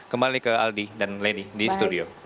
kembali ke aldi dan lady di studio